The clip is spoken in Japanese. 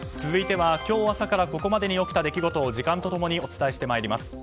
続いては今日朝からここまでに起きた出来事を時間と共にお伝えしてまいります。